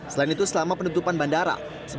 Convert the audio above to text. selain itu selama penutupan bandara